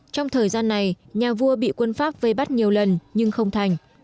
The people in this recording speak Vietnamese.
trong thời gian này nhà vua bị quân pháp vây bắt nhiều lần nhưng không thành